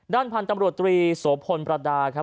ด้านผ่านตำรวจตรีโสพลประดาษ์ครับ